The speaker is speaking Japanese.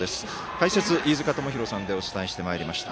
解説、飯塚智広さんでお伝えしてきました。